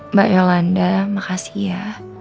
mbak yolanda makasih ya